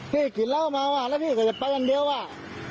พี่กินเหล้ามาว่ะแล้วพี่ก็จะไปวันเดียวอ่ะ